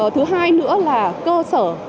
thứ hai nữa là cơ sở